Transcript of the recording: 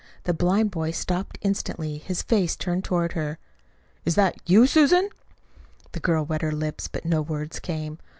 The blind boy stopped instantly, his face turned toward her. "Is that you, Susan?" The girl wet her lips, but no words came.